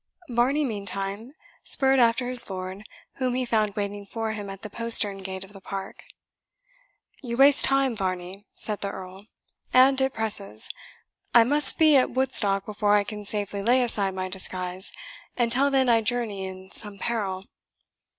Varney, meantime, spurred after his lord, whom he found waiting for him at the postern gate of the park. "You waste time, Varney," said the Earl, "and it presses. I must be at Woodstock before I can safely lay aside my disguise, and till then I journey in some peril."